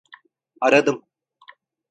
Aradım.